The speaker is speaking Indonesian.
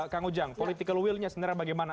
kang ujang political will nya sebenarnya bagaimana